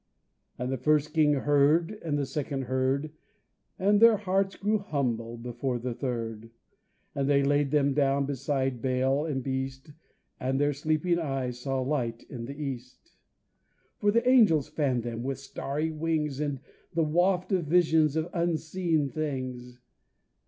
And the first king heard and the second heard And their hearts grew humble before the third. And they laid them down beside bale and beast and their sleeping eyes saw light in the East. For the Angels fanned them with starry wings And the waft of visions of unseen things.